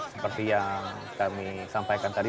seperti yang kami sampaikan tadi